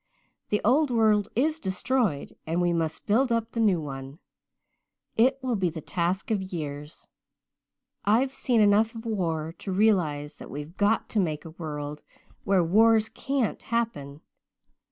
The old world is destroyed and we must build up the new one. It will be the task of years. I've seen enough of war to realize that we've got to make a world where wars can't happen.